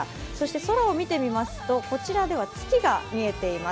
空を見てみますとこちらでは月が見えています。